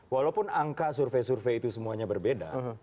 walaupun angka survei survei itu semuanya berbeda